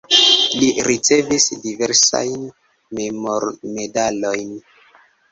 Li ricevis diversajn memormedalojn.